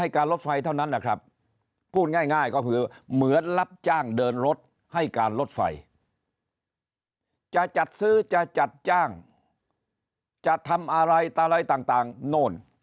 การลดให้การลดไฟจะจัดซื้อจะจัดจ้างจะทำอะไรอะไรต่างโน่น